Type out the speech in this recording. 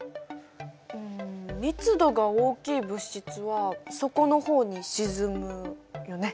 密度が大きい物質は底のほうに沈むよね。